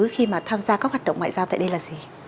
khi mà tham gia các hoạt động ngoại giao tại đây là gì